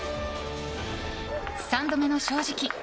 三度目の正直。